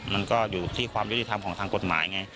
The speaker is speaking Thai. มันก็อยู่ที่ความยุติธรรมของทางกฎหมายไง